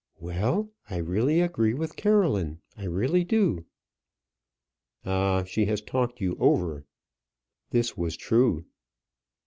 "Well, I really agree with Caroline; I really do." "Ah, she has talked you over." This was true.